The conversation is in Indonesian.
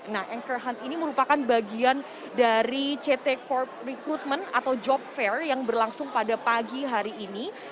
nah anchor hunt ini merupakan bagian dari ct corp recruitment atau job fair yang berlangsung pada pagi hari ini